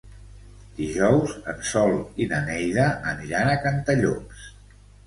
Dijous en Sol i na Neida aniran a Cantallops.